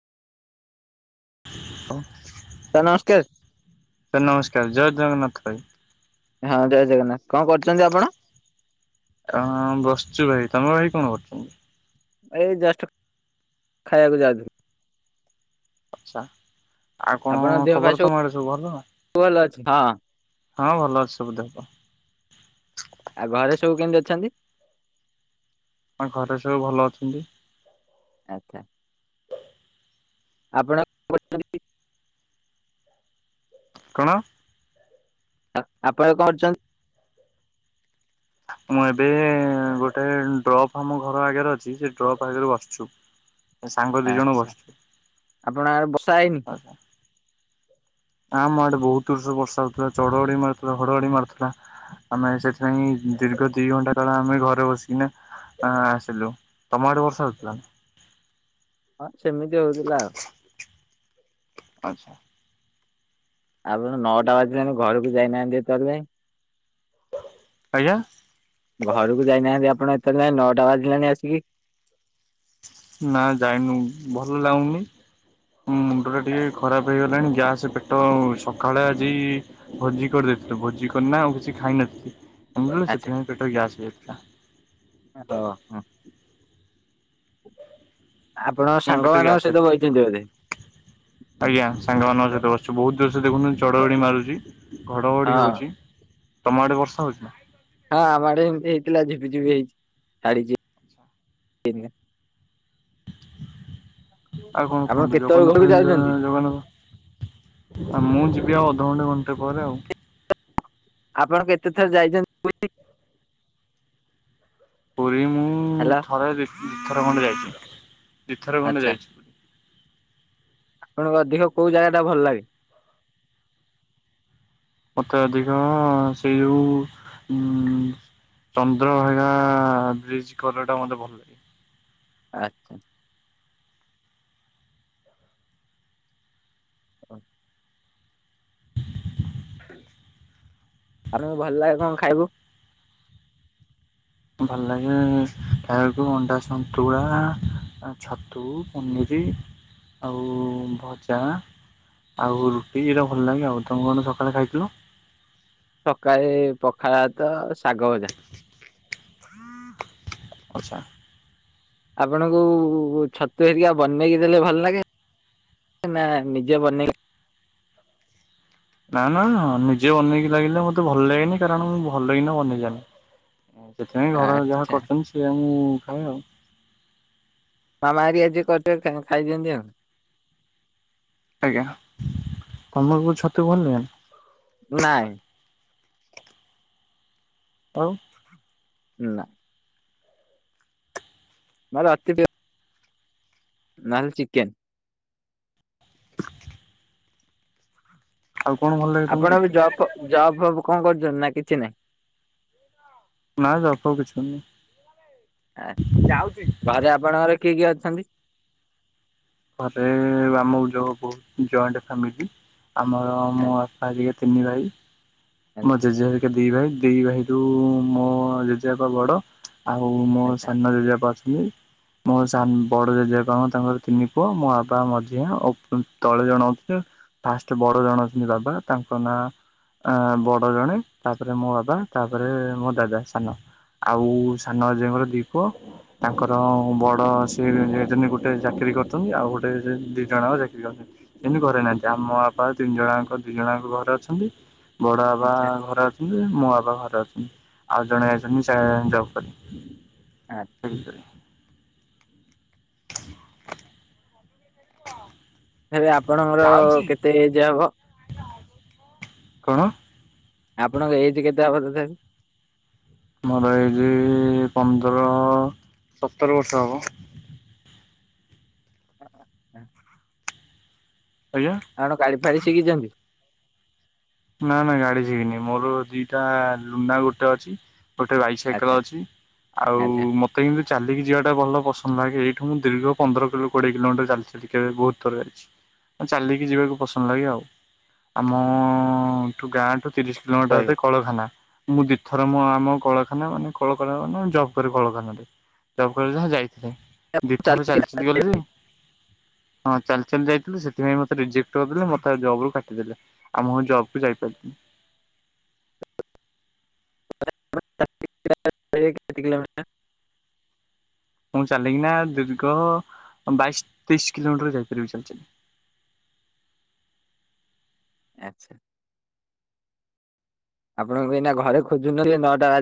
Sir ନମସ୍କାର sir ନମସ୍କାର ଜୟ ଜଗନ୍ନାଥ ଭାଇ। ହଁ ଜୟ ଜଗନ୍ନାଥ କଣ କରୁଚନ୍ତି ଆପଣ? ହଁ ବସଚୁ ଭାଇ ତମର ଭାଇ କଣ କରୁଚନ୍ତି? ଏ ଜଷ୍ଟ ଖାଇବାକୁ ଯାଉଥିଲି। ଆଚ୍ଛା ଆଉ କଣ ଆପଣଙ୍କ ଦେହ ପା ଖବର ତମଆଡେ ସବୁ ଭଲ? ଭଲ ହଁ। ହଁ ଭଲ ଅଛି ସବୁ ଦେହପାହ। ଆଉ ଘରେ ସବୁ କେମିତି ଅଛନ୍ତି? ଆ ଘରେ ସବୁ ଭଲ ଅଛନ୍ତି। ଆଚ୍ଛା। ଆପଣ କଣ କରୁଚନ୍ତି? କଣ? ଆପଣ କରୁଚନ୍ତି? ମୁଁ ଏବେ ଗୋଟେ ଡ୍ରପ୍ ଆମ ଘର ଆଗରେ ଅଛି ସେ ଡ୍ରପ୍ ଆଗରୁ ବସିଚୁ। ସାଙ୍ଗ ଦି ଜଣ ଆଚ୍ଛା ବସିଚୁ ଆପଣ ଆଡେ ବର୍ଷା ହେଇନି? ଆଛା। ଆ ମାୋ ଆଡେ ବହୁତ ଜୋରସେ ବର୍ଷା ହଉଥିଲା ଚଢହଡି ମାରୁଥିଲା ଘଡଘଡି ମାରୁଥିଲା। ଆମେ ସେଥିପାଇଁ ଦୀର୍ଘ ଦି ଘଣ୍ଟା କାଳ ଆମେ ଘରେ ବସିକିନା ଆ ଆସିଲୁ ତମ ଆଡ ବର୍ଷ ହଉଥିଲା? ହଁ ସେମିତି ହଉଥିଲା ଆଉ। ଆଚ୍ଛା। ଆପଣ ନଅଟା ବାଜିଲାଣି ଘରକୁ ଯାଇନାହାନ୍ତି ଏତେବେଳ ଆଜ୍ଞା ଯାଇଁ ଘରକୁ ଯାଇନାହାନ୍ତି ଆପଣ ଏ ତେଳ ଯାଏଁ ନଅଟା ବାଜିଲାଣି ଆସିକି। ନା ଯାଇନୁ ଭଲ ଲାଗୂଉନି। ମୁଣ୍ଡ ଟା ଟିକେ ଖରାପ ହେଇଗଲାଣି, ଗ୍ୟାସ୍ ପେଟ ଅ ସକାଳେ ଆ ଜି ଭୋଜି କରିଦେଇଥିଲୁ ଭୋଜି କରିନା ଆଉ କିଛି ଖାଇନଥିଲି। ଲୁ ଆଚ୍ଛା ସେଥିପାଇଁ ପେଟ ଗ୍ୟାସ୍ ହେଇଯାଇଥିଲା। ହଁ ହ। ଆପଣଙ୍କ ପେଟରେ ସାଙ୍ଗମାନଙ୍କ ଗ୍ୟାସ ସହିତ ବଇଛନ୍ତି ବୋଧେ ଆଜ୍ଞା। ସାଙ୍ଗମାନଙ୍କ ସହିତ ବସ୍ଚୁ ବହୁତ ଜୋର୍ ସ ଦେଖୁନ୍ତୁ ଚଡହଡି ମାରୁଚି ଘଡଘଡି ହଁ। ହଉଚି ତମ ଆଡେ ବର୍ଷା ହଉଚି ନା? ହଁ ଆମ ଆଡେ ଏମତି ହେଇଥିଲା ଝିପି ଝିପି ହେଇଚି ଛାଡିଛି ଏରିକା। ଆଉ କଣ ଆପଣ କୁହନ୍ତୁ କେତେବେଳେ ଜଗନ୍ନାଥ ଘରକୁ ଏ ଯାଉଛନ୍ତି ଜଗନ୍ନାଥ ଆ ମୁଁ ଯିବି ଆଉ ଅଧଘଣ୍ଟେ ଘଣ୍ଟେ ପରେ ଆଉ। ଆପଣ କେତେ ଥର ଯାଇଛନ୍ତି ବୁଲି? ପ ମୁଁ ଥରେ ଦି ଥର ଖଣ୍ଡେ ଯାଇଚି, ଦିଥର ଖଣ୍ଡେ ଯାଇଚି। ଆପଣଙ୍କ ଅଧିକ କୋଉ ଜାଗା ଟା ଭଲ ଲାଗେ! ତ ଅଧିକ ସେଇ ଯୋଉ ଉ ଚନ୍ଦ୍ରଭାଗା ବ୍ରିଜ କର ଟା ମତେ ଭଲ ଲାଗେ। ଆଚ୍ଛା। ହ। ଆମକୁ ଭଲ ଲାଗେ କଣ ଖାଇବୁ? ଭଲ ଲାଗେ ଖାଇବାକୁ ଅଣ୍ଡା ସନ୍ତୁଳା ଛତୁ ପନିରି ଆଉ ଭଜା। ଆଉ ରୁଟି ଏଟା ଭଲ ଲାଗେ ଆଉ ତମ କଣେ ସକାଳେ ଖାଇଥିଲ? ସକାଳେ ପଖାଳ ଭାତ ଶାଗ। ଆଚ୍ଛା। ଆପଣଙ୍କୁ ଛତୁ ହେରିକା ବନେଇକି ଦେଲେ ଭଲ ଲାଗେ? ନା ନିଜେ ବନେଇକି ନା ନା ନିଜେ ବନେଇକି ଲାଗିଲେ ମତେ ଭଲ ଲାଗେନି କାରଣ ମୁଁ ଭଲ କିଇନା ବନେଜାଣିିନି। ସେଥିପାଇଁ ଘର ଯାହା ଆଚ୍ଛା କରୁଛନ୍ତି ସେଏ ମୁଁ ଖାଏ ଆଉ। ମାମା ହେରିକା ଯିଏ କରିଦିଅନ୍ତି ତାକୁ ଖାଇଦିଅନ୍ତି ଆଉ। ଆଜ୍ଞା କମଲପୁର ଛତୁ ଭଲିଲା। ନାଇଁ। ଆଉ ନା ମୋର ଅଛି ଡି ନହେଲେ ଚିକେନ୍। ଆଉ କଣ ଭଲ ଲାଗେ ତମକୁ ଆପଣ ଜବ ଫବ ଜବ ଫବ କଣ କରୁଛନ୍ତି ନା କିଛି ନାହିଁ? ନା ଜବ ଫବ କିଛି ନାହିଁ। ଘରେ ଆପଣଙ୍କର କିଏ କିଏ ଅଛନ୍ତି? ଘରେ ଆମ ଯୋଉ ବହୁ ଜଏଣ୍ଟ୍ ଫାମିଲି ଆମର ଆ ମୁଁ ବାପା ତିନି ଭାଇ ମୋ ଆଚ୍ଛା ଜେଜେ ହେରିକା ଦି ଭାଇ। ଦି ଭାଇରୁୁ ମୋ ଜେଜେବାପା ବଡ ଆଉ ମୋ ଆଚ୍ଛା ସାନ ଜେଜେବାପ ଅଛ ମୋର ସାନ୍ ବଡ ଜେଜେ କଣ ତାଙ୍କର ତିନି ପୁଅ ମୋ ବାବା ମଝିଆ ଅ ତଳେ ଜଣେଉଥିଲେ ଫାଷ୍ଟ ବଡ ଜଣ ଅଛନ୍ତି ବାବା ତାଙ୍କ ନାଁ ବଡ ଜଣେ ତାପରେ ମୋ ବାବା ଆଚ୍ଛା ତାପରେ ମୋ ଦାଦା ସାନ ଆଉ ସାନଜେଙ୍କର ଦି ପୁଅ। ତାଙ୍କର ବଡ ସେ ଗୋଟେ ଚାକିରୀ କରୁଛନ୍ତି ଆଉ ଗୋଟେ ଦି ଜଣଙ୍କ ଦେଖିଛନ୍ତି ସେମିତି ଘରେ ନାହାନ୍ତି ଆମ ବାପା ତିନି ଜଣଙ୍କ। ଦିଜଣଙ୍କ ଘରେ ଅଛନ୍ତି ବଡ ବାବା ଆଚ୍ଛା ଘରେ ଅଛନ୍ତି। ମୋ ବାପ ଘରେ ଅଛନ୍ତି ଆଉ ଜଣେ ଅଛନ୍ତି ସେ ଜବ ଆ କରି ସେ [inaudible] ହଁ। ଏବେ ଆପଣଙ୍କର କେତେ ଏଜେ ହବ? କଣ? ଆପଣଙ୍କ ଏଇଜ କେତେ ହବ ତଥାପି? ମୋର ହେଇଛି ପନ୍ଦର ସତର ବର୍ଷ ହବ। ଅ ହଁ। ଆଜ୍ଞା। ଆଁଣ ଗାଡି ଫାଡି ଶିଖିଛନ୍ତି? ନା ନା ଗାଡି ଶିଖିନି ମୋର ଦିଟା ଲୁଣନା ଗୋଟେ ଅଛି। ଗୋଟେ ଆଚ୍ଛା ବାଇସାଇକେଲ ଅଛି ଆଉ ଆଚ୍ଛା ମତେ କେମିତି ଚାଲିକି ଯିବାଟା ଭଲ ପସନ୍ଦ ଲାଗେ ଏଇଠୁ ମୁଁ ଦୀର୍ଘ ପନ୍ଦର କିଲୋ କୋଡିଏ କିଲୋମିଟର ଚାଲି କେବେ ବହୁତ ଥର ଯାଇଛି। ଚାଲିକି ଯିବାକୁ ପସନ୍ଦ ଲାଗେ ଆଉ ଆମ ଗାଁଠୁ ତିରିଶ ରହିବ। କିଲୋମିଟର କଳଖାନା। ମୁଁ ଦିଇଥର ମ ଆମ କଳଖାନା ମାନେ କଳକ ମାନେ ଜବ୍ କରିରେ କଳଖାନାରେ ଜବ୍ କରି ଯାହା ଯାଇ ଦୁଇଥର ଚାଲିକି ଚାଲି ଚାଲି ଗଲି। ହଁ ଚାଲି ଚାଲି ଯାଇଥିଲୁ ସେଥିପାଇଁ ମତେ ରଜେକ୍ଟ କରିଦେଲେ ମତେ ଜବ ରୁ କାଟିଦେଲେ ଆମ ମ ଜବ। ବ ଯାଇ ପି। [inaudible] ମୁଁ ଚାଲିକିନା ଦୀର୍ଘ ବାଇଶ ତେଇଶି କିଲୋମିଟର ଯାଇପାରିବି ଚାଲି ଚାଲି। [inaudible] ଆଚ୍ଛା। ଆପଣଙ୍କୁ ଏନା ଘରେ ଖୋଜୁନହଲେ ନଅଟା